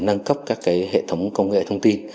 nâng cấp các hệ thống công nghệ thông tin